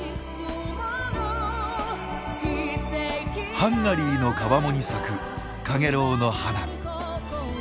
ハンガリーの川面に咲くカゲロウの花。